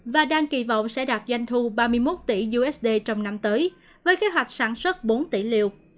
và đang kỳ vọng sẽ đạt doanh thu ba mươi một tỷ usd trong năm tới với kế hoạch sản xuất bốn tỷ liều